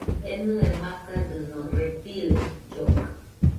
Enɨe makadɨno, reptiles lloga